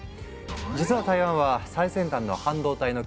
実は台湾は最先端の半導体の９割を生産。